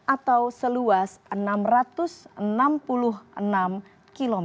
atau seluas enam ratus enam puluh enam km